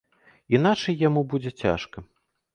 Іначай яму будзе цяжка.